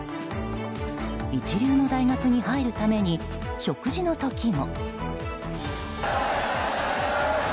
一流の大学に入るために食事の時も。